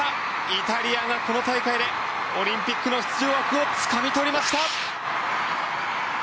イタリアがこの大会でオリンピックの出場枠をつかみ取りました！